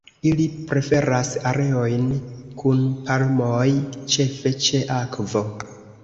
Ili preferas areojn kun palmoj, ĉefe ĉe akvo.